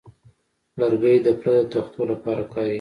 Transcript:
لرګی د پله د تختو لپاره کارېږي.